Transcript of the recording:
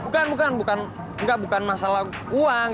bukan bukan bukan enggak bukan masalah uang